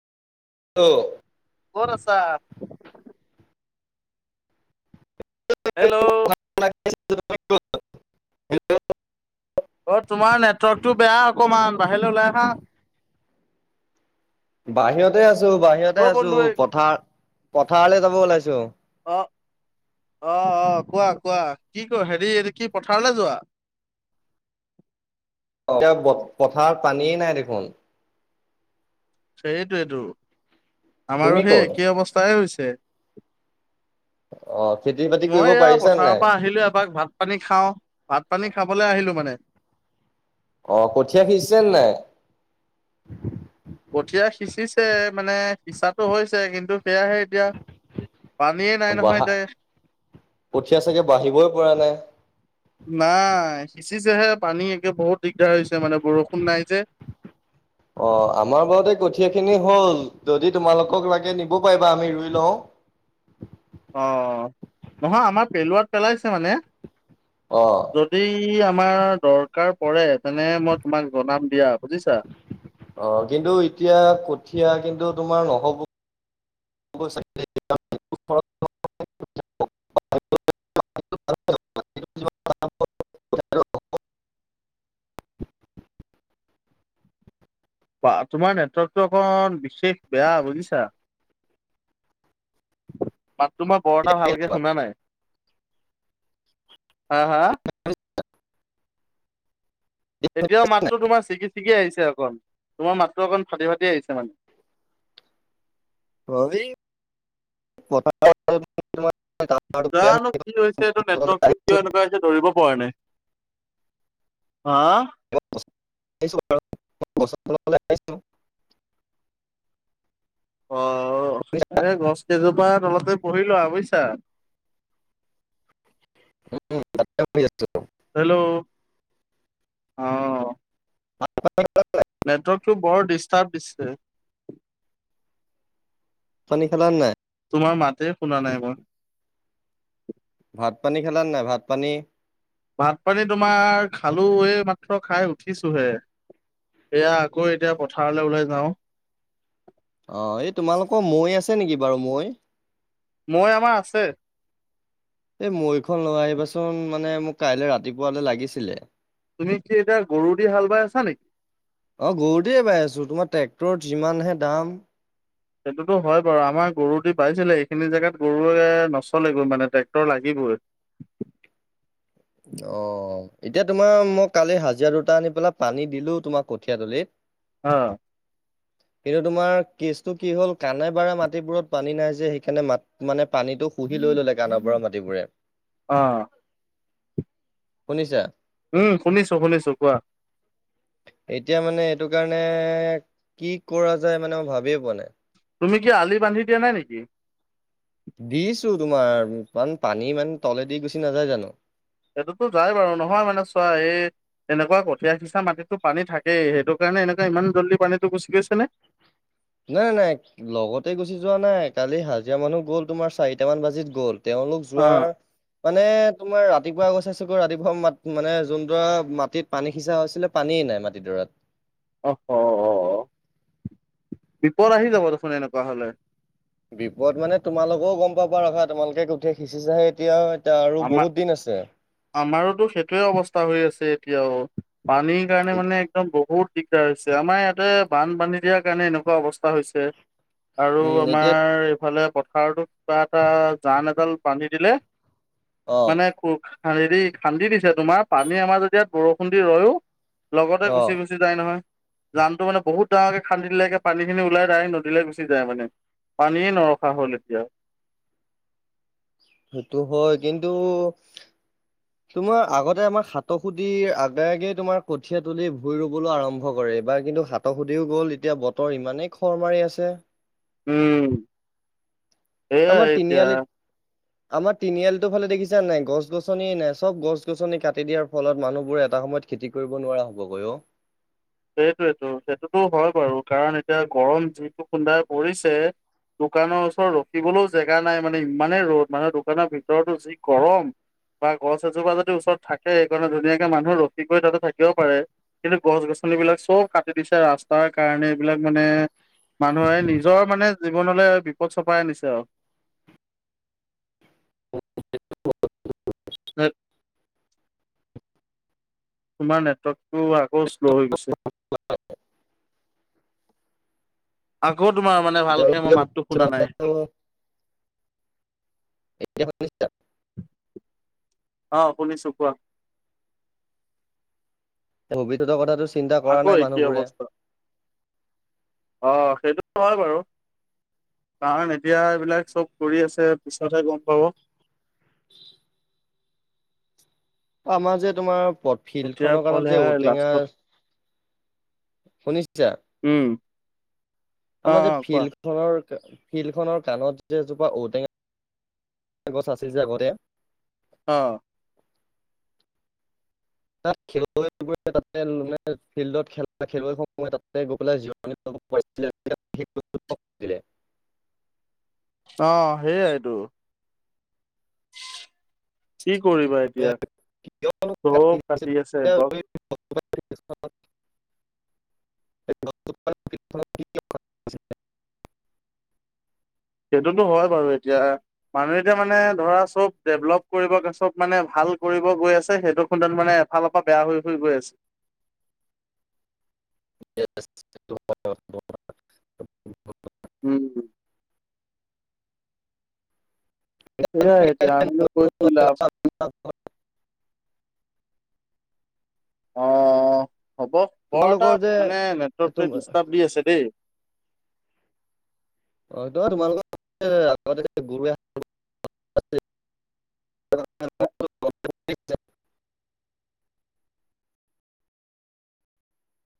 অ [unintelligible] ক'ত আছা [unintelligible] hello hello [unintelligible] অ তোমাৰ নেটৱৰ্কটো বেয়া অকমান বাহিৰলৈ ওলাই অহা। বাহিৰতে আছো অ বাহিৰতে আছো বন্ধু পথাৰ পথাৰলৈ যাব ওলাইছো [unintelligible] অ', অ - অ কোৱা কোৱা কি ক হেৰি এই কি পথাৰলৈ যোৱাৰ। [inaudible] এতিয়া পথাৰ পানীয়ে নাই দেখোন। সেইটোয়েতটো তুমি আমাৰো সেই ক'ত একেই অৱস্থাই হৈছে [unintelligible] অ', খেতি বাতি কৰিব মই এয়া পাৰিছা পথাৰৰ নাই পৰা আহিলো এবাক ভাত পানী খাও ।ভাত পানী খাবলৈ আহিলো মানে। অহ, কঠীয়া সিজছে নাই? কঠীয়া সিচিছে মানে সিচাটো হৈছে, কিন্তু সেয়াহে এতিয়া পানীয়ে নাই নহয় বাহা এতিয়া উঠীয়া চাগে বাঢ়িবই পৰা নাই। নাই সিচিছেহে পানী একে বহুত দিগদাৰ হৈছে মানে বৰষুণ নাই যে [inaudible] অ, আমাৰ বাৰতে কঠীয়া খিনি হল যদি তোমালোকক লাগে নিব পাৰিবা আমি ৰুই লও। অ, নহয় আমাৰ পেলোৱাত পেলাইছে মানে অ যদি আমাৰ দৰকাৰ পৰে তেনে মই তোমাক জনাম দিয়া বুজিছা। অ, কিন্তু এতিয়া কঠীয়া কিন্তু তোমাৰ নহ'ব [unintelligible] তোমাৰ নেটৱৰ্কতটো অকণ বিশেষ বেয়া বুজিছা। [inaudible] মাত তোমাৰ বৰটা ভালকে শুনা নাই। হা-হা [unintelligible] এতিয়াও মাত্ৰ তোমাৰ ছিকি চিকি আহিছে, অকণ তোমাৰ মাত্ৰ অকণ ফাটি - ফাটি আহিছে মানে [unintelligible] চাগে জানো কি হৈছে? এইটো বতললৈ নেটৱৰ্কটো আহিছো কিয় এনেকুৱা হৈছে দৌৰিব পৰা নাই। হা [unintelligible] অ', শুনিছা? এ, গছ কেইজোপা তলতে পুহি লোৱা বুজিছা। [inaudible] সতময়ছো হেল্ল', অহ, নেটৱৰ্কটো বৰ ডিষ্টাৰ্ব দিছে। পানী খেলাৰ নাই? তোমাৰ মাতে শুনা নাই মই। ভাত পানী খালাে নাই ভাত পানী? ভাত পানী তোমাৰ খালো এই মাত্ৰ খাই উঠিছোহেট। এয়া আকৌ এতিয়া পথাৰলৈ ওলাই যাও। অ, এই তোমালোকৰ মৈ আছে নেকি বাৰু মৈ? মৈ আমাৰ আছে। এই মৈখন লৈ আহিবাচোন মানে মোক কাইলৈ ৰাতিপুৱালৈ লাগিছিলে। অ, তুমি কি এতিয়া গৰু দি হাল বাই আছা নেকি? গৰুতে পাই আছো তোমাৰ ট্ৰেক্টৰত যিমানহে দাম সেইটোতো হয় বাৰু আমাৰ গৰু দি পাইছিলে এইখিনি জোগাত গৰুৱে নচলে গৈ মানে ট্ৰেক্টৰ লাগি। [unintelligible] অ, এতিয়া তোমাৰ মই কালি হাজিৰা দুটা আনি পেলাই পানী দিলো তোমাৰ কঠিয়াতলিত অহ ', কিন্তু তোমাৰ কেচটো কি হ'ল কানে বাৰে মাটিবোৰত পানী নাই যে, সেইকাৰণে ম মানে পানীটো শুহ লৈ ললে কাণৰ বৰং মাটিবোৰে অ, শুনিছা? উম শুনিছো শুনিছো কোৱা এতিয়া মানে এইটো কাৰণে কি কৰা যায় মানে মই ভাবিয়ে পোৱা নাই। তুমি কি আলি বান্ধি দিয়া নাই নেকি? দিছো তোমাৰ ইমান পানী মানে তলেদি গুচি নাযায় জানো সেইটোতো যাই বাৰু নহয় মানে চোৱা এই এনেকুৱা কঠীয়া সিচা মাটিতো পানী থাকেই, সেইটো কাৰণে এনেকুৱা ইমান জল্দি পানীটো গুচি গৈছে নে? [inaudible] নাই-নাই, লগতে গুচি যোৱা নাই। কালি হাজিৰা মানুহ গ'ল তোমাৰ চাৰিটা মান বাজিত গ'ল। তেওঁলোক অ যোৱাৰ, মানে তোমাৰ ৰাত ৰাতিপুৱা গৈ চাইছোগ ৰাতিপুৱা মাত-মানে যোনডৰা মাটিত পানী সিছা হৈছিলে, পানীয়েই নাই মাটিডৰাত। অস, অ-অ-অ। বিপদ আহি যাব দেখোন এনেকুৱা হ'লে। বিপদ মানে তোমালোকেও গম পাবা ৰখা, তোমালোকে কঠিয়া সিচিছাহে এতিয়া এতিয়া আৰু আমা, বহুত দিন আছে। আমাৰোতো সেইটোৱে অৱস্থা হৈ আছে এতিয়াও। পানীৰ কাৰণে মানে একদম বহুত দিগদাৰ হৈছে, আমাৰ ইয়াতে বানবান্ধী দিয়াৰ কাৰণে এনেকুৱা অৱস্থা হৈছে। আৰু উম এতিয়া আমাৰ এইফালে প পথাৰটো কিবা এটা জান এডাল বান্ধি দিলে, অ মানে কো খান্দি দি খান্দি দিছে তোমাৰ পানী আমাৰ যেতি ইয়াত বৰষুণ দি ৰয়ো লগতে অ গুচি-গুচি যায় নহয়। জানটো মানে বহুত ডাঙৰকে খান্দি দিলেকে পানী খিনি ওলাই ডায়েক নদীলৈ গুচি যায় মানে। পানীয়ে নৰখা হ'ল এতিয়া। সেইটো হয় কিন্তু তোমাৰ আগতে আমাৰ সাতসুদিৰ আবে আগে তোমাৰ কঠীয়া তুলি ভুই ৰুবলৈ আৰম্ভ কৰে। এইবাৰ কিন্তু সাতসুদিও গ'ল এতিয়া বতৰ ইমানেই খৰ মাৰি আছে। উম। এয়া আমাৰ এতিয়া। তিনিআলিত আমাৰ তিনিআলিতো ফালে দেখিছা নাই? গছ- গছনিয়ে নাই। চব গছ-গছনি কাটি দিয়াৰ ফলত মানুহ বোৰে এটা সময় সময়ত খেতি কৰিব নোৱাৰা হ'বগৈ অ'। [inaudible] সেইটোয়েতো, সেইটোতো হয় বাৰু কাৰণ এতিয়া গৰম যিটো খুন্দাই পৰিছে। দোকানৰ ওচৰত ৰখিবলৈও জেগা নাই মানে, ইমানেই ৰ'দ মানে দোকানৰ ভিতৰতো যি গৰম। বা গছ এজোপা যদি ওচৰত থাকে, সেইকণত ধুনীয়াকে মানুহ ৰখি কৰি তাতে থাকিবও পাৰে। কিন্তু গছ-গছ গছনি বিলাক চব কাটি দিছে ৰাস্তাৰ কাৰণে, এইবিলাক মানে মানুহে নিজৰ মানে জীৱনলৈ বিপদ চপাই আনিছে আৰু [unintelligible] [unintelligible] তোমাৰ নেটৱৰ্কটো আকৌ শ্ল' হৈ গৈছে। আগত তোমাৰ মানে ভালকে তেওঁলোকে মই মাতটো ভৱিষ্যতৰ শুনা নাই। কথাটো [unintelligible] অ, শুনিছো কোৱা। ভৱিষ্যত কথাটো চিন্তা কৰা আকৌ নাই একেই মানুহবোৰে। অৱস্থা অ, সেইটোতো হয় বাৰু। কাৰণ এতিয়া এইবিলাক চব কৰি আছে, পিছতহে গম পাব। [inaudible] আমাৰ যে তোমাৰ প ফিল এতিয়া খনৰ ফল কাণত যে সেয়াই ঔটেঙা, লাষ্টত শুনিছা? উম অ আমাৰ যে অ কোৱা ফিল খনৰ ফিল খনৰ কাণত যে, এজোপা ঔটেঙা গছ আছিল যে আগতে অ। তাত খেলুৱৈ বোৱে, তাতে মানে ফিল্ডত খেলা খেলুৱৈ সকলে তাতে গৈ পেলাই জিৰণি লয়। [unintelligible] অ, সেইয়াইটো। কি কৰিবা এতিয়া? কিয়নো কাটি চব দিছে পাতি আছে আক'। [unintelligible] [unintelligible] সেইটোতো হয় বাৰু এতিয়া। মানুহ এতিয়া মানে ধৰা চব ডেভলপ কৰিব গৈ, চব মানে ভাল কৰিব গৈ আছে সেইটো খুন্দাত মানে এফালৰ পৰা বেয়া হৈ হৈ গৈ আছে। [inaudible] [unintelligible] উম, সেয়াই এতিয়া আমিনো কৈ কি লাভ অ হ'ব বৰ এটা তোমালোকৰ যে মানে নেটৱৰ্ক তুম টোৱে ডিষ্টাৰ্ব দি আছে দেই অ তো তোমালোকৰ আগতে গৰুৱা [unintelligible] হয় [unintelligible] [inaudible]